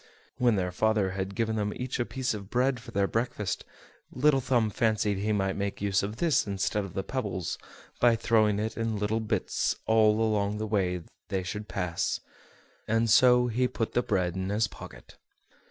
When their father had given each of them a piece of bread for their breakfast, Little Thumb fancied he might make use of this instead of the pebbles by throwing it in little bits all along the way they should pass; and so he put the bread in his pocket.